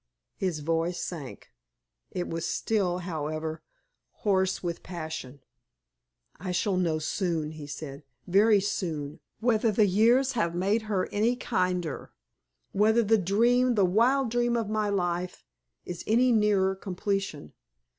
His voice sank; it was still, however, hoarse with passion. "I shall know soon," he said, "very soon, whether the years have made her any kinder; whether the dream, the wild dream of my life, is any nearer completion.